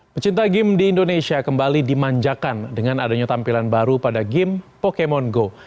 pecinta game di indonesia kembali dimanjakan dengan adanya tampilan baru pada game pokemon go